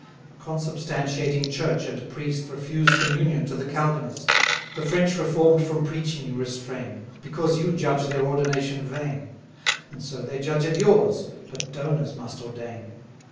The consubstantiating Church and priest Refuse communion to the Calvinist: The French reform'd from preaching you restrain, Because you judge their ordination vain; And so they judge of yours, but donors must ordain.